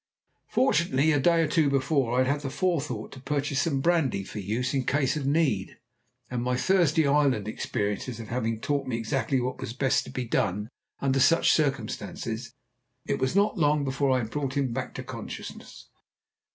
Fortunately a day or two before I had had the forethought to purchase some brandy for use in case of need, and my Thursday Island experiences having taught me exactly what was best to be done under such circumstances, it was not long before I had brought him back to consciousness.